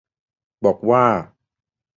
บอกว่า